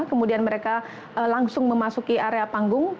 kemudian mereka langsung memasuki area panggung